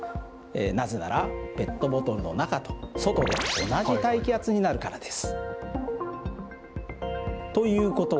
なぜならペットボトルの中と外で同じ大気圧になるからです。